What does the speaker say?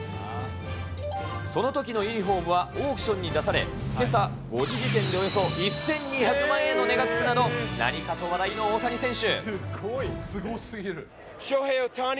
そのときのユニホームはオークションに出され、けさ５時時点でおよそ１２００万円の値がつくなど、何かと話題の大谷選手。